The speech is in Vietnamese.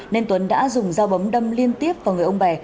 nên tuấn đã dùng dao bấm đâm liên tiếp vào người ông bè